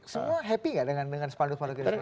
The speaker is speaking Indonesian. semua happy nggak dengan sepanduk panduknya